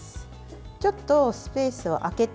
ちょっとスペースを空けて。